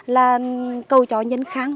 là cầu chó nhân kháng